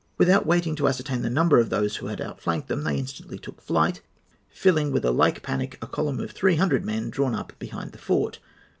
Without waiting to ascertain the number of those who had outflanked them, they instantly took to flight, filling with a like panic a column of three hundred men drawn up behind the fort.